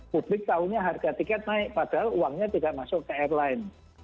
publik tahunya harga tiket naik padahal uangnya tidak masuk ke airline